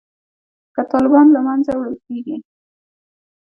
که طالبان له منځه وړل کیږي